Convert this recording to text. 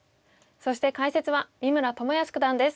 そして解説は三村智保九段です。